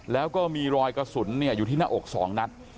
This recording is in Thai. แล้วก็มีรอยกระสุนอยู่ที่หน้าอก๒นัด